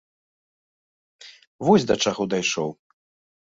Вось да чаго дайшоў.